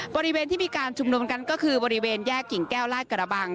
บริเวณที่มีการชุมนุมกันก็คือบริเวณแยกกิ่งแก้วลาดกระบัง